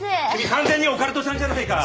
君完全にオカルトちゃんじゃないか。